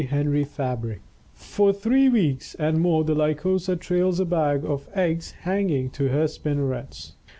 Henri Fabre For three weeks and more the Lycosa trails a bag of eggs hanging to her spin nerets.